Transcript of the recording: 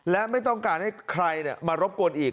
และไม่ต้องการให้ใครมารบกวนอีก